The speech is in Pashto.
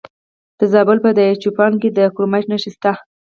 د زابل په دایچوپان کې د کرومایټ نښې شته.